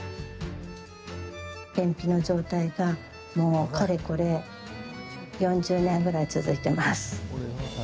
便秘の状態が、かれこれ４０年ぐらい続いています。